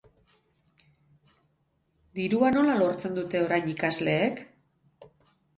Dirua nola lortzen dute orain ikasleek?